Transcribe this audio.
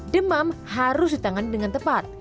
demam harus ditangani dengan tepat